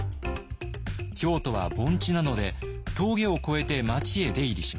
京都は盆地なので峠を越えて町へ出入りします。